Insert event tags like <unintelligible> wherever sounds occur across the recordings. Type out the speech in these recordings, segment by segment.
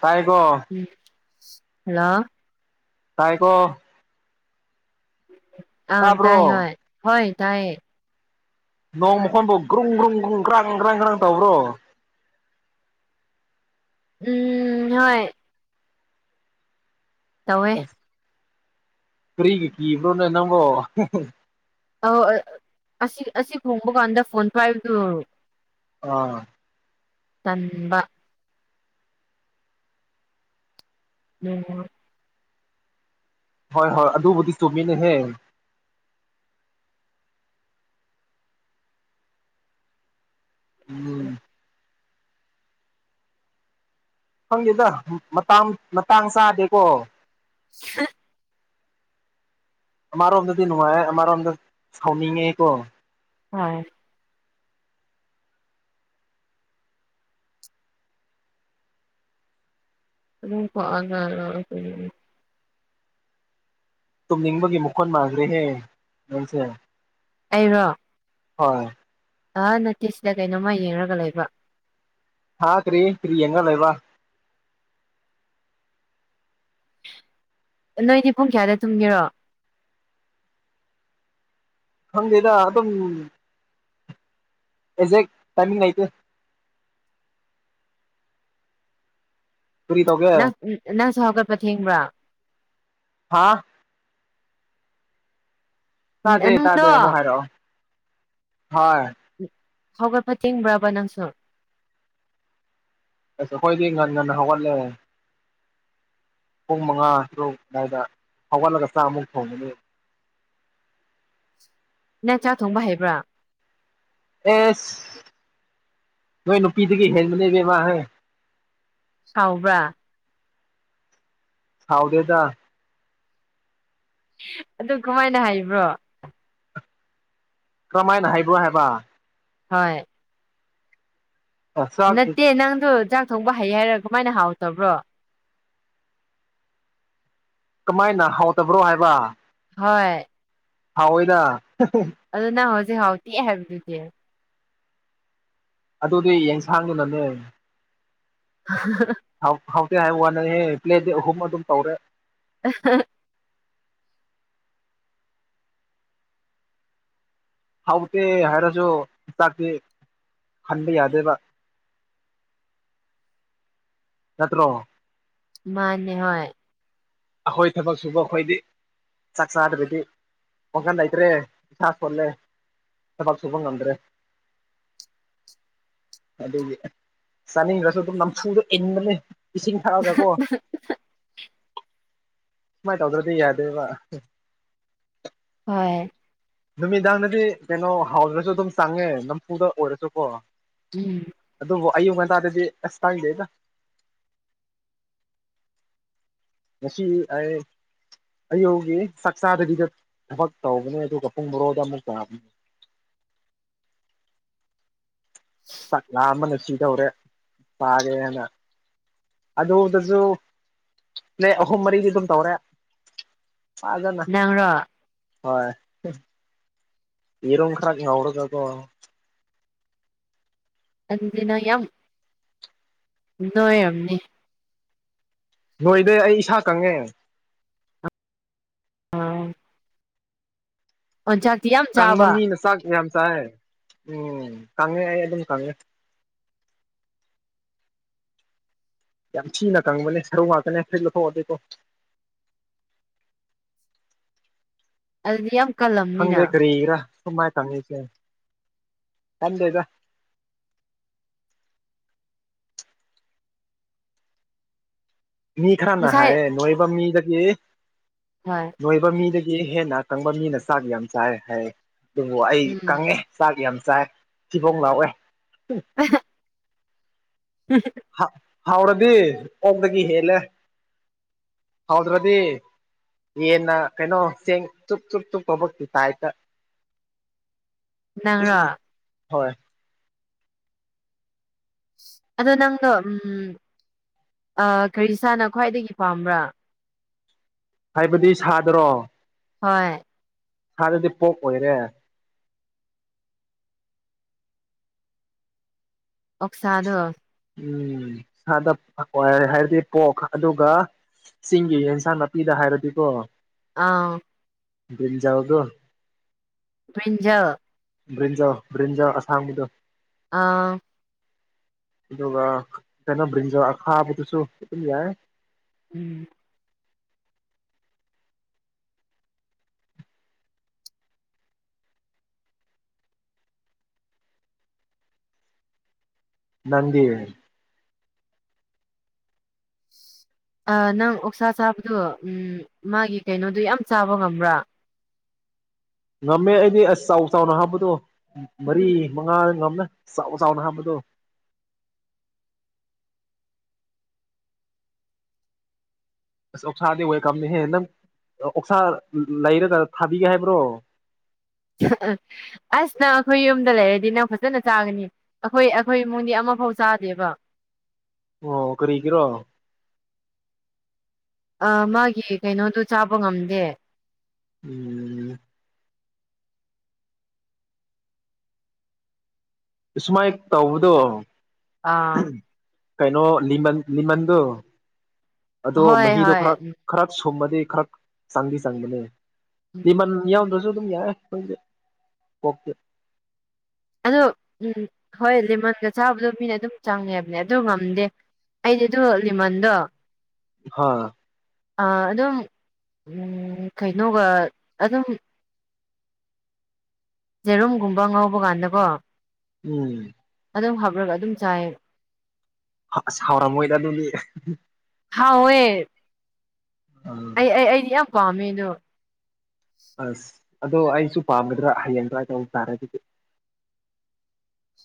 ꯇꯥꯑꯦꯀꯣ꯫ ꯎꯝ ꯍꯜꯂꯣ꯫ ꯇꯥꯏꯀꯣ꯫ ꯑꯥ ꯇꯥꯏ ꯇꯥꯕ꯭ꯔꯣ ꯍꯣꯏ ꯍꯣꯏ ꯇꯥꯏꯌꯦ꯫ ꯅꯣꯡ ꯃꯈꯣꯟꯕꯨ ꯒ꯭ꯔꯨꯡ ꯒ꯭ꯔꯨꯡ ꯒ꯭ꯔꯨꯡ ꯒ꯭ꯔꯥꯡ ꯒ꯭ꯔꯥꯡ ꯒ꯭ꯔꯥꯡ ꯇꯥꯎꯕ꯭ꯔꯣ꯫ ꯎꯝ ꯍꯣꯏ꯫ ꯇꯧꯋꯦ꯫ ꯑꯁ ꯀꯔꯤꯒꯤ ꯀꯤꯕ꯭ꯔꯣꯅꯦ ꯅꯪꯕꯣ꯫ <unintelligible> ꯑꯧ ꯑ ꯑꯁꯤ ꯑꯁꯤ ꯈꯣꯡꯕꯀꯥꯟꯗ ꯐꯣꯟ ꯄꯥꯏꯕꯗꯨ ꯑꯥ꯫ ꯇꯟꯕ꯫ <unintelligible> ꯍꯣꯏ-ꯍꯣꯏ ꯑꯗꯨꯕꯨꯗꯤ ꯆꯨꯝꯃꯤꯅꯦꯍꯦ꯫ ꯎꯝ꯫ ꯈꯪꯗꯦꯗ ꯃꯇꯥꯡ ꯃꯇꯥꯡ ꯆꯥꯗꯦꯀꯣ꯫ <unintelligible> ꯑꯃꯔꯣꯝꯗꯗꯤ ꯅꯨꯡꯉꯥꯏꯑꯦ ꯑꯃꯔꯣꯝꯗ ꯁꯥꯎꯅꯤꯡꯉꯦꯀꯣ꯫ ꯍꯣꯏ꯫ <inaudible> ꯇꯨꯝꯅꯤꯡꯕꯒꯤ ꯃꯥꯈꯣꯟ ꯃꯥꯅꯈ꯭ꯔꯦꯍꯦ ꯅꯪꯁꯦ꯫ ꯑꯩꯔꯣ꯫ ꯍꯣꯏ꯫ ꯑꯥ ꯅꯠꯇꯦ ꯁꯤꯗ ꯀꯩꯅꯣꯝꯃ ꯌꯦꯡꯔꯒ ꯂꯩꯕ꯫ ꯍꯥꯥ ꯀ꯭ꯔꯤ ꯀ꯭ꯔꯤ ꯌꯦꯡꯔ ꯂꯩꯕ꯫ ꯅꯣꯏꯗꯤ ꯄꯨꯡ ꯀꯌꯥꯗ ꯇꯨꯝꯒꯦꯔꯣ꯫ ꯈꯪꯗꯦꯗ ꯑꯗꯨꯝ ꯑꯦꯛꯖꯦꯛ ꯇꯥꯏꯃꯤꯡ ꯂꯩꯇꯦ꯫ ꯀꯔꯤ ꯇꯧꯒꯦ ꯅꯪ ꯅꯪꯁꯨ ꯍꯧꯒꯠꯄ ꯊꯦꯡꯕ꯭ꯔꯥ꯫ ꯍꯥꯥ꯫ ꯇꯥꯗꯦ-ꯇꯥꯗꯦ ꯅꯪꯗꯣ ꯑꯃꯨꯛ ꯍꯥꯏꯔꯛꯑꯣ ꯍꯣꯏ꯫ ꯍꯧꯒꯠꯄ ꯊꯦꯡꯕ꯭ꯔꯕ ꯅꯪꯁꯨ꯫ ꯑꯁ ꯑꯈꯣꯏꯗꯤ ꯉꯟ ꯉꯟꯅ ꯍꯧꯒꯠꯂꯦ꯫ ꯄꯨꯡ ꯃꯉꯥ ꯇꯔꯨꯛ ꯑꯗꯨꯋꯥꯏꯗ ꯍꯧꯒꯠꯂꯒ ꯆꯥꯛ ꯑꯃꯨꯛ ꯊꯣꯡꯒꯅꯤ꯫ ꯅꯪ ꯆꯥꯛ ꯊꯣꯡꯕ ꯍꯩꯕ꯭ꯔꯥ꯫ ꯑꯦꯁ ꯅꯣꯏ ꯅꯨꯄꯤꯗꯒꯤ ꯍꯦꯟꯕꯅꯦ ꯏꯕꯦꯝꯃꯥ ꯍꯦ꯫ ꯁꯥꯎꯕ꯭ꯔꯥ꯫ ꯁꯥꯎꯗꯦꯗꯥ꯫ ꯑꯗꯨ ꯀꯃꯥꯏꯅ ꯍꯥꯏꯕ꯭ꯔꯣ꯫ ꯀ꯭ꯔꯃꯥꯏꯅ ꯍꯥꯏꯕ꯭ꯔꯣ ꯍꯥꯏꯕꯥ꯫ ꯍꯣꯏ꯫ ꯆꯥꯛ ꯅꯠꯇꯦ ꯅꯪꯗꯨ ꯆꯥꯛ ꯊꯣꯡꯕ ꯍꯩꯌꯦ ꯍꯥꯏꯔ ꯀꯃꯥꯏꯅ ꯍꯥꯎꯇꯕ꯭ꯔꯣ꯫ ꯀꯃꯥꯏꯅ ꯍꯥꯎꯇꯕ꯭ꯔꯣ ꯍꯥꯏꯕꯥ꯫ ꯍꯣꯏ ꯍꯥꯎꯏꯅ ꯑꯗꯨ ꯅꯪ ꯍꯧꯖꯤꯛ ꯍꯥꯎꯇꯦ ꯍꯥꯏꯕꯗꯨꯗꯤ ꯑꯗꯨꯗꯤ ꯌꯦꯡꯁꯥꯡꯗꯨꯅꯅꯦ <unintelligible> ꯍꯥꯎꯇꯦ ꯍꯥꯏ ꯋꯥꯅꯦꯍꯦ ꯄ꯭ꯂꯦꯗꯤ ꯑꯍꯨꯝ ꯑꯗꯨꯝ ꯇꯧꯔꯦ ꯑ ꯍ <unintelligible> ꯍꯥꯎꯇꯦ ꯍꯥꯏꯔꯁꯨ ꯆꯥꯛꯇꯤ ꯍꯟꯕ ꯌꯥꯗꯦꯕ ꯅꯠꯇ꯭ꯔꯣ ꯃꯥꯅꯦ ꯍꯣꯏ ꯑꯈꯣꯏ ꯊꯕꯛ ꯁꯨꯕ ꯑꯈꯣꯏꯗꯤ ꯆꯥꯛ ꯆꯥꯗ꯭ꯔꯗꯤ ꯋꯥꯡꯈꯟ ꯂꯩꯇ꯭ꯔꯦ ꯏꯁꯥ ꯁꯣꯟꯂꯦ ꯊꯕꯛ ꯁꯨꯨꯕ ꯉꯝꯗ꯭ꯔꯦ ꯑꯗꯨꯒꯤ ꯆꯥꯅꯤꯡꯗ꯭ꯔꯁꯨ ꯑꯗꯨꯝ ꯅꯝꯐꯨꯗ ꯏꯟꯕꯅꯦ ꯏꯁꯤꯡ ꯊꯛꯑꯒ ꯀꯣ ꯁꯨꯃꯥꯏꯟ ꯇꯧꯗ꯭ꯔꯗꯤ ꯌꯥꯗꯦꯕ ꯍꯣꯏ ꯅꯨꯃꯤꯗꯥꯡꯗꯗꯤ ꯀꯩꯅꯣ ꯍꯥꯎꯗ꯭ꯔꯁꯨ ꯑꯗꯨꯝ ꯆꯪꯉꯦ ꯅꯝꯐꯨꯗ ꯑꯣꯏꯔꯁꯨꯀꯣ ꯎꯝ ꯑꯗꯨꯕꯨ ꯑꯌꯨꯛ ꯉꯟꯇꯥꯗꯗꯤ ꯑꯁ ꯇꯥꯡꯗꯦꯗ ꯉꯁꯤ ꯑꯩ ꯑꯩꯌꯨꯒꯤ ꯆꯥꯛ ꯆꯥꯗꯕꯤꯗ ꯊꯕꯛ ꯇꯧꯕꯅꯦ ꯗꯨꯒ ꯄꯨꯡ ꯕꯔꯣꯗ ꯑꯃꯨꯛꯀ ꯆꯥꯛ ꯂꯥꯝꯕꯅ ꯁꯤꯗꯧꯔꯦ ꯆꯥꯔꯦꯅ ꯑꯂꯨꯗꯖꯨ ꯄ꯭ꯂꯦ ꯑꯍꯨꯝ ꯃꯔꯤꯗꯤ ꯑꯗꯨꯝ ꯇꯧꯔꯦ ꯐꯥꯖꯅ ꯅꯪꯔꯣ ꯍꯣꯏ ꯌꯦꯔꯨꯝ ꯈꯔ ꯉꯧꯔꯒꯀꯣ ꯑꯗꯨꯗꯤ ꯅꯣꯏ ꯌꯥꯝ ꯅꯣꯏꯔꯝꯅꯤ ꯅꯣꯏꯗꯦ ꯑꯩ ꯏꯁꯥ ꯀꯪꯉꯦ ꯑꯣꯖꯥꯇꯤ ꯌꯥꯝ ꯀꯪꯕ ꯆꯥꯕ ꯃꯤꯅ ꯆꯥꯛ ꯌꯥꯝ ꯆꯥꯏ ꯎꯝ ꯀꯪꯉꯦ ꯑꯩ ꯑꯗꯨꯝ ꯀꯪꯉꯦ ꯌꯥꯝ ꯊꯤꯅ ꯀꯪꯕꯅꯦ ꯁꯔꯨ ꯉꯥꯛꯇꯅꯦ ꯐꯨꯔꯤꯠ ꯂꯧꯊꯣꯛ ꯑꯗꯤꯀꯣ ꯑꯗꯨꯗꯤ ꯌꯥꯝ ꯀꯜꯂꯝ ꯈꯪꯗꯦ ꯀꯔꯤꯒꯤꯔꯥ ꯁꯨꯃꯥꯏꯅ ꯀꯪꯉꯤꯁꯦ ꯈꯟꯗꯦꯗ ꯃꯤ ꯈꯔꯅ ꯉꯁꯥꯏ ꯍꯥꯏꯌꯦ ꯅꯣꯏꯕ ꯃꯤꯗꯗꯤ ꯍꯣꯏ ꯅꯣꯏꯕ ꯃꯤꯗꯒꯤ ꯍꯦꯟꯅ ꯀꯪꯕ ꯃꯤꯅ ꯆꯥꯛ ꯌꯥꯝ ꯆꯥꯏ ꯍꯥꯏ ꯑꯗꯨꯕꯨ ꯑꯩ ꯎꯝ ꯀꯪꯉꯦ ꯆꯥꯛ ꯌꯥꯝ ꯆꯥꯏ ꯊꯤꯕꯣꯡ ꯂꯥꯎꯋꯦ <unintelligible> <unintelligible> ꯍꯥ ꯍꯥꯎꯔꯗꯤ ꯑꯣꯛꯗꯒꯤ ꯍꯦꯜꯂꯦ ꯍꯥꯎꯗ꯭ꯔꯗꯤ ꯌꯦꯟꯅ ꯀꯩꯅꯣ ꯆꯦꯡ ꯇꯨꯞ ꯇꯨꯞ ꯇꯨꯞ ꯇꯧꯕꯒꯤ ꯇꯥꯏꯞ ꯇ <inaudible> ꯅꯪꯔꯣ ꯍꯣꯏ ꯑꯗꯣ ꯅꯪꯗꯣ ꯑ ꯀ꯭ꯔꯤꯁꯥꯅ ꯈ꯭ꯋꯥꯏꯗꯒꯤ ꯄꯥꯝꯕ꯭ꯔꯥ ꯍꯥꯏꯕꯗꯤ ꯁꯥꯗ꯭ꯔꯣ ꯍꯣꯏ ꯁꯥꯗꯗꯤ ꯄꯣꯛ ꯑꯣꯏꯔꯦ ꯑꯣꯛ ꯁꯥꯥꯗꯨ ꯎꯝ ꯁꯥꯗ <inaudible> ꯍꯥꯏꯔꯗꯤ ꯄꯣꯛ ꯑꯗꯨꯒ ꯆꯤꯡꯒꯤ ꯌꯦꯟꯁꯥꯡ ꯅꯥꯄꯤꯗ ꯍꯥꯏꯔꯗꯤꯀꯣ ꯑꯥ ꯕ꯭ꯔꯤꯟꯖꯥꯜꯗꯨ ꯕ꯭ꯔꯤꯟꯖꯜ ꯕ꯭ꯔꯤꯟꯖꯜ ꯕ꯭ꯔꯤꯟꯖꯜ ꯑꯁꯥꯡꯕꯗꯣ ꯑꯥ ꯑꯗꯨꯒ ꯀꯩꯅꯣ ꯕ꯭ꯔꯤꯟꯖꯜ ꯑꯈꯥꯕꯗꯨꯁꯨ ꯑꯗꯨꯝ ꯌꯥꯏ ꯎꯝ ꯅꯪꯗꯤ ꯑꯥ ꯅꯪ ꯑꯣꯛꯁꯥ ꯆꯥꯕꯗꯨ ꯎꯝ ꯃꯥꯒꯤ ꯀꯩꯅꯣꯗꯨ ꯌꯥꯝ ꯆꯥꯕ ꯉꯝꯕ꯭ꯔꯥ ꯉꯝꯃꯦ ꯑꯩꯗꯤ ꯑꯁ ꯆꯥꯎ ꯆꯥꯎꯅ ꯍꯥꯞꯄꯇꯣ ꯃꯔꯤ ꯃꯉꯥ ꯉꯝꯃꯦ ꯆꯥꯎ ꯆꯥꯎꯅ ꯍꯥꯞꯄꯗꯣ ꯑꯁ ꯑꯣꯛꯁꯥꯗꯤ ꯋꯦꯜꯀꯝꯅꯦꯍꯦ ꯅꯪ ꯑꯣꯛꯁꯥ ꯂꯩꯔꯒ ꯊꯥꯕꯤꯒꯦ ꯍꯥꯏꯕ꯭ꯔꯣ <unintelligible> ꯑꯁ ꯅꯪ ꯑꯩꯈꯣꯏ ꯌꯨꯝꯗ ꯂꯩꯔꯗꯤ ꯅꯪ ꯐꯖꯅ ꯆꯥꯒꯅꯤ ꯑꯩꯈꯣꯏ ꯑꯩꯈꯣꯏ ꯏꯃꯨꯡꯗꯤ ꯑꯃꯐꯥꯎ ꯆꯥꯗꯦꯕ ꯑꯣ ꯀꯔꯤꯒꯤꯔꯣ ꯑꯥ ꯃꯥꯒꯤ ꯀꯩꯅꯣꯗꯨ ꯆꯥꯕ ꯉꯝꯗꯦ ꯎꯝ ꯑꯁꯨꯃꯥꯏ ꯇꯧꯕꯗꯣ ꯑꯥ ꯀꯩꯅꯣ ꯂꯤꯃꯟ ꯂꯤꯃꯟꯗꯣ ꯑꯗꯣ ꯍꯣꯏ ꯃꯍꯤꯗꯣ ꯍꯣꯏ ꯈꯔ ꯎꯝ ꯈꯔꯠ ꯁꯨꯝꯃꯗꯤ ꯈꯔ ꯆꯪꯗꯤ ꯆꯪꯕꯅꯦ ꯎꯝ ꯂꯤꯃꯟ ꯌꯥꯎꯗ꯭ꯔꯁꯨ ꯑꯗꯨꯝ ꯌꯥꯏ ꯑꯈꯣꯏꯒꯤꯗꯤ ꯄꫭꯛꯇꯤ ꯑꯗꯨ ꯎꯝ ꯍꯣꯏ ꯂꯦꯃꯟꯒ ꯆꯥꯕꯗꯣ ꯃꯤꯅ ꯑꯗꯨꯝ ꯆꯪꯉꯦ ꯍꯦꯕꯅꯦ ꯑꯗꯨ ꯉꯝꯗꯦ ꯑꯩꯗꯤ ꯗꯨ ꯂꯤꯃꯟꯗꯣ ꯍꯥ ꯑꯥ ꯑꯗꯨꯝ ꯎꯝ ꯀꯩꯅꯣꯒ ꯑꯗꯨꯝ ꯖꯦꯔꯨꯝꯒꯨꯝꯕ ꯉꯧꯕ ꯀꯥꯟꯗꯀꯣ ꯎꯝ ꯑꯗꯨꯝ ꯍꯥꯞꯔꯒ ꯑꯗꯨꯝ ꯆꯥꯏ ꯑꯁ ꯍꯥꯎꯔꯝꯃꯣꯏꯗ ꯑꯗꯨꯗꯤ ꯍꯥꯎꯋꯦ ꯑꯥ ꯑꯩ ꯑꯩ ꯑꯩꯗꯤ ꯌꯥꯝ ꯄꯥꯝꯃꯦ ꯑꯗꯨ ꯑꯁ ꯑꯗꯣ ꯑꯩꯁꯨ ꯄꯥꯝꯒꯗ꯭ꯔꯥ ꯍꯌꯦꯡ ꯇ꯭ꯔꯥꯏ ꯇꯧꯕ ꯇꯥꯔꯦ ꯑꯗꯨꯗꯤ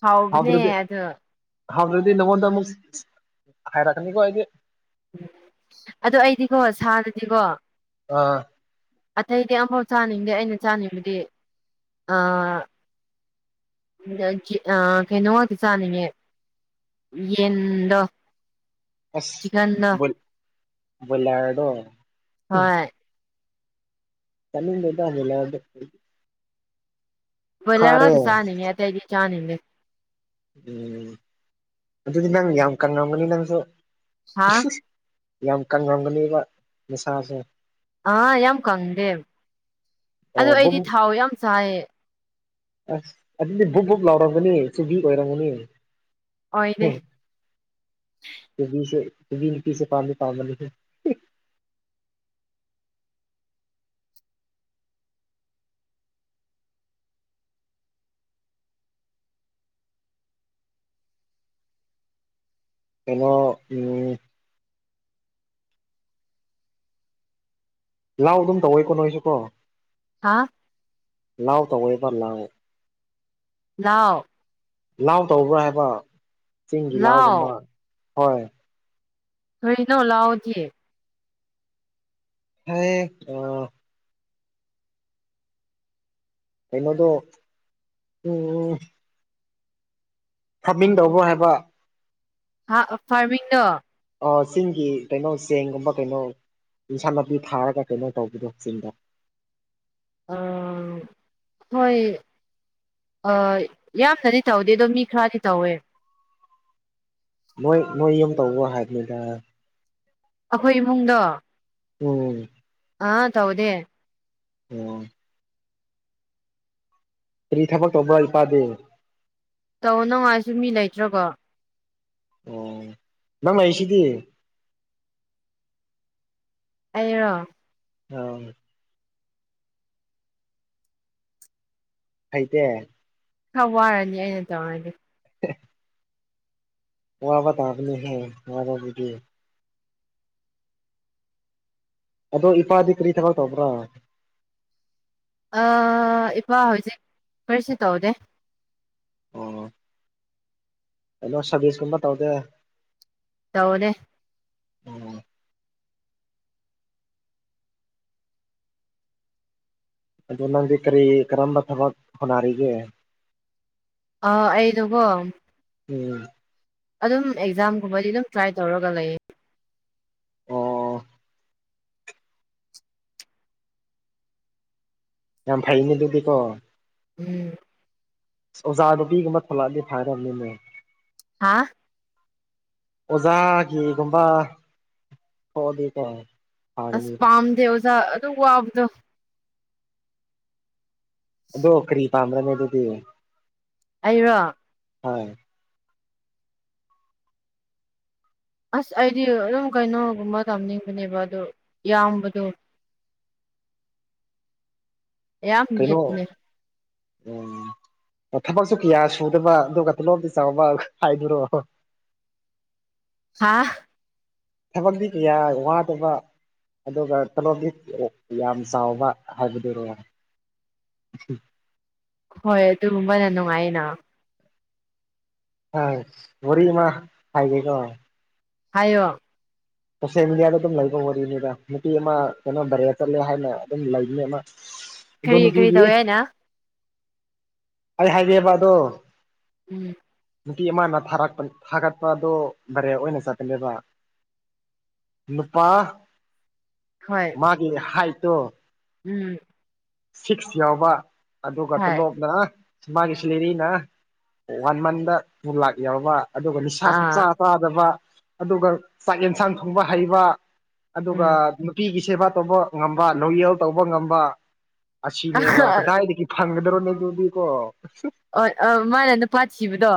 ꯍꯥꯎꯕꯅꯦ ꯑꯗꯨ ꯍꯥꯎꯇ꯭ꯔꯗꯤ ꯅꯪꯉꯣꯟꯗ ꯑꯃꯨꯛ ꯍꯥꯏꯔꯛꯀꯅꯤꯀꯣ ꯑꯩꯗꯤ ꯑꯗꯣ ꯑꯩꯗꯤꯀꯣ ꯁꯥꯗꯗꯤꯀꯣ ꯑꯥ ꯑꯇꯩꯗꯤ ꯑꯝꯐꯥꯎ ꯆꯥꯅꯤꯡꯗꯦ ꯑꯩꯅ ꯆꯥꯅꯤꯡꯕꯗꯤ ꯑꯥ ꯎꯝ ꯑꯥ ꯖꯤ ꯑꯥ ꯀꯩꯅꯣ ꯉꯥꯛꯇꯤ ꯆꯥꯅꯤꯡꯉꯦ ꯌꯦꯟꯗꯣ ꯑꯁ ꯆꯤꯛꯀꯟꯗꯣ ꯕꯨꯜ ꯕꯨꯜꯂꯔꯗꯣ ꯍꯣꯏ ꯆꯥꯅꯤꯡꯗꯦꯗ ꯕꯣꯏꯂ꯭ꯔꯗꯤ ꯕꯣꯏꯂ꯭ꯔ ꯉꯛꯇ ꯆꯥꯅꯤꯡꯉꯦ ꯑꯇꯩꯗꯤ ꯆꯥꯅꯤꯡꯗꯦ ꯎꯝ ꯑꯗꯨꯗꯤ ꯅꯪ ꯌꯥꯝ ꯀꯪꯔꯝꯒꯅꯤ ꯅꯪꯁꯨ ꯍꯥ ꯌꯥꯝ ꯀꯪꯔꯝꯒꯅꯤꯕ ꯅꯁꯥꯁꯦ ꯑꯥ ꯌꯥꯝ ꯀꯪꯗꯦ ꯑꯣ ꯑꯗꯣ ꯕꯨꯞ ꯑꯩꯗꯤ ꯊꯥꯎ ꯌꯥꯝ ꯆꯥꯏꯌꯦ ꯑꯁ ꯑꯗꯨꯗꯤ ꯕꯨꯞ ꯕꯨꯞ ꯂꯥꯎꯔꯝꯒꯅꯤ ꯆꯨꯕꯤ ꯑꯣꯏꯔꯝꯒꯅꯤ ꯍꯦ ꯑꯣꯏꯗꯦ ꯆꯨꯕꯤꯁꯦ ꯆꯨꯕꯤ ꯅꯨꯄꯤꯁꯦ ꯄꯥꯝꯗꯤ ꯄꯥꯝꯕꯅꯤꯍꯦ ꯀꯩꯅꯣ ꯎꯝ ꯂꯥꯎ ꯑꯗꯨꯝ ꯇꯧꯋꯦꯀꯣ ꯅꯣꯏꯁꯨ ꯀꯣ ꯍꯥꯥ ꯂꯥꯎ ꯇꯧꯋꯦꯕ ꯂꯥꯎ ꯂꯥꯎ ꯂꯥꯎ ꯇꯧꯕ꯭ꯔꯥ ꯍꯥꯏꯕ ꯆꯤꯡꯒꯤ ꯂꯥꯎ ꯂꯥꯎꯒꯨꯝꯕ ꯍꯣꯏ ꯀꯔꯤꯅꯣ ꯂꯥꯎꯑꯗꯤ ꯍꯩ ꯑꯥ ꯀꯩꯅꯣꯗꯣ ꯎꯝ ꯐꯥꯔꯃꯤꯡ ꯇꯧꯕ꯭ꯔꯣ ꯍꯥꯏꯕ ꯍꯥ ꯑꯥ ꯐꯥꯔꯃꯤꯡꯗꯣ ꯑꯣ ꯆꯤꯡꯒꯤ ꯀꯩꯅꯣ ꯆꯦꯡꯒꯨꯝꯕ ꯀꯩꯅꯣ ꯏꯟꯁꯥꯡ ꯅꯥꯄꯤ ꯊꯥꯔꯒ ꯀꯩꯅꯣ ꯇꯧꯕꯗꯣ ꯆꯤꯡꯗ ꯑꯥꯝ ꯍꯣꯏ ꯑꯣꯏ ꯌꯥꯝꯅꯗꯤ ꯇꯧꯗꯦꯗꯣ ꯃꯤ ꯈꯔꯗꯤ ꯇꯧꯋꯦ ꯅꯣꯏ ꯅꯣꯏ ꯌꯨꯝ ꯇꯧꯕ꯭ꯔꯣ ꯍꯥꯏꯕꯅꯤꯗ ꯑꯈꯣꯏ ꯏꯃꯨꯡꯗꯣ ꯎꯝ ꯑꯥ ꯇꯧꯗꯦ ꯎꯝ ꯑꯣ ꯀꯔꯤ ꯊꯕꯛ ꯇꯧꯕ꯭ꯔꯥ ꯏꯄꯥꯗꯤ ꯇꯧꯅꯉꯥꯏꯁꯨ ꯃꯤ ꯂꯩꯇ꯭ꯔꯒꯥ ꯑꯣ ꯅꯪ ꯂꯩꯁꯤꯗꯤ ꯑꯩꯔꯣ ꯑꯧ ꯍꯩꯇꯦ ꯈꯔ ꯋꯥꯔꯅꯤ ꯑꯩꯅ ꯇꯧꯔꯗꯤ <unintelligible> ꯋꯥꯕ ꯇꯥꯕꯅꯤꯍꯦ ꯋꯥꯕꯕꯨꯗꯤ ꯑꯗꯣ ꯏꯄꯥꯗꯤ ꯀꯔꯤ ꯊꯥꯕꯛ ꯇꯧꯕ꯭ꯔꯥ ꯑꯥ ꯏꯄꯥ ꯍꯧꯖꯤꯛ ꯀꯔꯤꯁꯨ ꯇꯧꯗꯦ ꯑꯣ ꯀꯩꯅꯣ ꯁꯔꯚꯤꯁꯀꯨꯝꯕ ꯇꯧꯗꯦ ꯇꯧꯗꯦ ꯑꯣ ꯑꯣ ꯑꯗꯣ ꯅꯪꯗꯤ ꯀꯔꯤ ꯀꯔꯝꯕ ꯊꯕꯛ ꯍꯣꯅꯔꯤꯒꯦ ꯑꯥ ꯑꯩꯗꯨꯀꯣ ꯎꯝ ꯑꯗꯨꯝ ꯑꯦꯛꯖꯥꯝꯒꯨꯝꯕꯗꯤ ꯑꯗꯨꯝ ꯇ꯭ꯔꯥꯏ ꯇꯧꯔꯒ ꯂꯩꯌꯦ꯫ ꯑꯣ ꯌꯥꯝ ꯐꯩꯅꯦ ꯑꯗꯨꯗꯤꯀꯣ꯫ ꯎꯝ꯫ ꯑꯣꯖꯥ ꯅꯨꯄꯤꯒꯨꯝꯕ ꯊꯣꯂꯛꯑꯗꯤ ꯐꯒꯗꯝꯅꯤꯅꯦ꯫ ꯍꯥꯥ꯫ ꯑꯣꯖꯥꯒꯤꯒꯨꯝꯕ ꯊꯣꯛꯑꯗꯤꯀꯣ꯫ ꯑꯁ ꯐꯒꯅꯤꯕ ꯄꯥꯝꯗꯦ ꯑꯣꯖꯥ ꯑꯗꯨꯛ ꯋꯥꯕꯗꯣ꯫ ꯑꯗꯣ ꯀꯔꯤ ꯄꯥꯝꯕ꯭ꯔꯅꯦ ꯑꯗꯨꯗꯤ꯫ ꯑꯩꯔꯣ꯫ ꯍꯣꯏ꯫ ꯑꯁ ꯑꯩꯗꯤ ꯑꯗꯨꯝ ꯀꯩꯅꯣꯒꯨꯝꯕ ꯇꯝꯅꯤꯡꯕꯅꯦꯕ ꯑꯗꯨ ꯏꯌꯥꯝꯕꯗꯣ ꯌꯥꯝ ꯀꯩꯅꯣ ꯌꯦꯠꯄꯅꯦ ꯎꯝ ꯑꯣ ꯊꯕꯛꯁꯨ ꯀꯤꯌꯥ ꯁꯨꯗꯕ ꯑꯗꯨꯒ ꯊꯣꯂꯣꯞꯇꯤ ꯆꯥꯎꯕ ꯍꯥꯏꯗꯨꯔꯣ꯫ ꯍꯥꯥ꯫ ꯊꯕꯛꯇꯤ ꯀꯌꯥ ꯋꯥꯗꯕ꯫ ꯑꯗꯨꯒ ꯇꯣꯂꯣꯞꯗꯤ ꯌꯥꯝ ꯆꯥꯎꯕ ꯍꯥꯏꯕꯗꯨꯔꯣ꯫ <unintelligible> ꯍꯣꯏ ꯑꯗꯨꯒꯨꯝꯕꯅ ꯅꯨꯡꯉꯥꯏꯅ꯫ ꯍꯁ ꯋꯥꯔꯤ ꯑꯃꯥ ꯍꯥꯏꯒꯦꯀꯣ꯫ ꯍꯥꯏꯌꯣ꯫ ꯁꯣꯁꯦꯜ ꯃꯦꯗꯤꯌꯥꯗ ꯑꯗꯨꯝ ꯂꯩꯕ ꯋꯥꯔꯤꯅꯤꯗ ꯅꯨꯄꯤ ꯑꯃ ꯀꯩꯅꯣ ꯚꯔꯦ ꯆꯠꯂꯦ ꯍꯥꯏꯅ ꯑꯗꯨꯝ ꯂꯩꯕꯅꯦ ꯑꯃ꯫ ꯑꯗꯣ ꯀꯔꯤ ꯀꯔꯤ ꯅꯨꯄꯤꯒꯤ ꯇꯧꯋꯦ ꯍꯥꯏꯅ꯫ ꯑꯩ ꯍꯥꯏꯒꯦꯕ ꯑꯗꯣ꯫ ꯎꯝ꯫ ꯅꯨꯄꯤ ꯑꯃꯅ ꯊꯥꯔꯛꯄ ꯊꯥꯒꯠꯄꯗꯣ ꯚꯥꯏꯔꯦꯜ ꯑꯣꯏꯅ ꯆꯠꯄꯅꯦꯕ꯫ ꯅꯨꯄꯥ ꯍꯣꯏ ꯃꯥꯒꯤ ꯍꯥꯏꯠꯇꯣ ꯎꯝ꯫ ꯁꯤꯛꯁ ꯌꯥꯎꯕ ꯑꯗꯨꯒ ꯍꯣꯏ ꯇꯣꯂꯣꯞꯅ ꯃꯥꯒꯤ ꯁꯤꯂꯦꯔꯤꯅ ꯋꯥꯟ ꯃꯟꯗ ꯇꯨ ꯂꯥꯛ ꯌꯥꯎꯕ ꯑꯗꯨꯒ ꯅꯤꯁꯥꯁꯨ ꯆꯥ ꯑꯥ ꯇꯥꯗꯕ ꯑꯗꯨꯒ ꯆꯥꯛ ꯌꯦꯟꯁꯥꯡ ꯊꯣꯡꯕ ꯍꯩꯕ ꯑꯗꯨꯒ ꯅꯨ ꯄꯤꯒꯤ ꯁꯦꯕꯥ ꯇꯧꯕ ꯉꯝꯕ ꯂꯣꯌꯦꯜ ꯇꯧꯕ ꯉꯝꯕ꯫ ꯑꯁꯤꯅꯦꯕ ꯀꯗꯥꯏꯗꯒꯤ ꯐꯪꯒꯗ꯭ꯔꯣꯅꯦ ꯑꯗꯨꯗꯤꯀꯣ꯫ <unintelligible> ꯑꯣꯏ ꯑꯣ ꯃꯥꯅ ꯅꯨꯄꯥ ꯊꯤꯕꯗꯣ꯫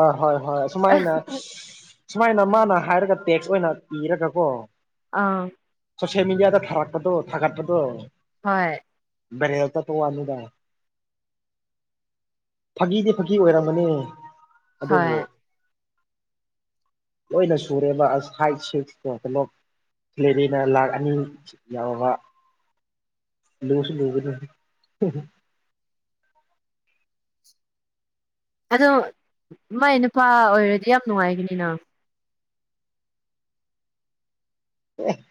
ꯑ ꯍꯣꯏ ꯍꯣꯏ ꯑꯁꯨꯃꯥꯏꯅ <unintelligible> ꯁꯨꯃꯥꯏꯅ ꯃꯥꯅ ꯍꯥꯏꯔꯒ ꯇꯦꯛꯁ ꯑꯣꯏꯅ ꯏꯔꯒ ꯀꯣ ꯑꯥ꯫ ꯁꯣꯁꯤꯌꯦꯜ ꯃꯦꯗꯤꯌꯥꯗ ꯊꯥꯔꯛꯄꯗꯣ ꯊꯥꯒꯠꯄꯗꯣ꯫ ꯍꯣꯏ꯫ ꯚꯥꯏꯔꯦꯜ ꯆꯠꯄꯋꯥꯅꯤꯗ꯫ ꯐꯥꯒꯤꯗꯤ ꯐꯥꯒꯤ ꯑꯣꯏꯔꯝꯝꯕꯅꯤ ꯍꯣꯏ ꯑꯗꯨꯕꯨ ꯂꯣꯏꯅ ꯁꯨꯔꯦꯕ ꯑꯁ ꯐꯥꯏꯕ ꯁꯤꯛꯁꯇꯣ ꯀꯅꫭ ꯁ꯭ꯂꯦꯔꯤꯅ ꯂꯥꯛ ꯑꯅꯤ ꯌꯥꯎꯕ꯫ ꯂꯨꯁꯨ ꯂꯨꯒꯅꯤ꯫ <unintelligible> ꯑꯗꯣ ꯃꯥꯏ ꯅꯨꯄꯥ ꯑꯣꯏꯔꯗꯤ ꯌꯥꯝ ꯅꯨꯡꯉꯥꯏꯒꯅꯤꯅꯥ꯫ ꯑꯦ꯫